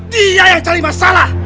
dia yang cari masalah